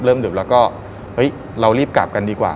เริ่มดึกแล้วก็เรารีบกลับกันดีกว่า